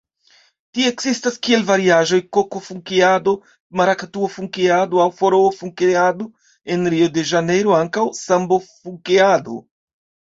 Tie ekzistas kiel variaĵoj "koko-funkeado", "marakatuo-funkeado" aŭ "foroo-funkeado", en Rio-de-Ĵanejro ankaŭ "sambo-funkeado".